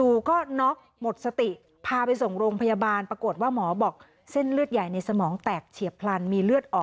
รู้สึกยังไงและมีความคิดเห็นยังไงกับเหตุการณ์ที่เกิดขึ้น